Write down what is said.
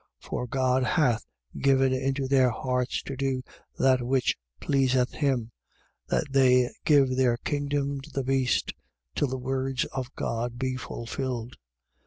17:17. For God hath given into their hearts to do that which pleaseth him: that they give their kingdom to the beast, till the words of God be fulfilled.